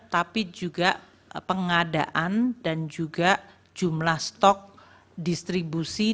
tapi juga pengadaan dan juga jumlah stok distribusi